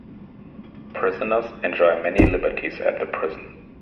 Prisoners enjoy many liberties at the prison.